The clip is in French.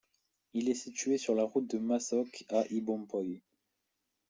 Il est situé sur la route de Massock à Ibompoï.